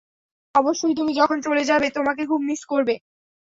অবশ্যই, তুমি যখন চলে যাবে, তোমাকে খুব মিস করবে।